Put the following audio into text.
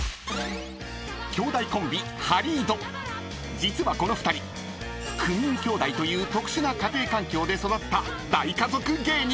［実はこの２人９人きょうだいという特殊な家庭環境で育った大家族芸人］